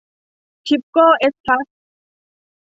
ทิปโก้แอสฟัลท์